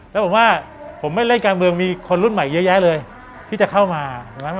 แล้วผมว่าผมไม่เล่นการเมืองมีคนรุ่นใหม่เยอะแยะเลยที่จะเข้ามา